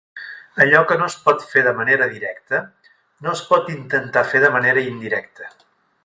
Allò que no es pot fer de manera directa, no es pot intentar fer de manera indirecta.